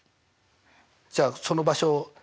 じゃあその場所を。